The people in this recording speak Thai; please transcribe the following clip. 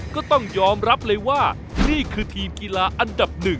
ก็ต้องยอมรับเลยว่านี่คือทีมกีฬาอันดับหนึ่ง